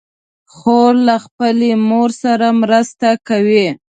خور له خپلې مور سره مرسته کوي.